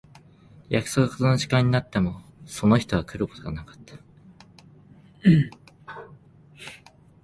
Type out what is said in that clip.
約束の時間になってもその人は来ることがなかった。